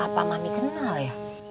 apa mami kenal ya